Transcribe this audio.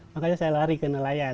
makanya saya lari ke nelayan